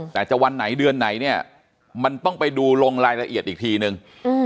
แต่จะวันไหนเดือนไหนเนี่ยมันต้องไปดูลงรายละเอียดอีกทีนึง